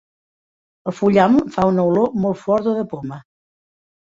El fullam fa una olor molt forta de poma.